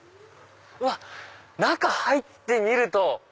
うわっ中入ってみると。